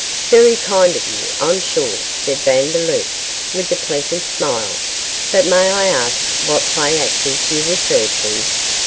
'Very kind of you, I'm sure,' said Vandeloup, with a pleasant smile; 'but may I ask what play actors you refer to?